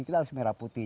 kita harus merah putih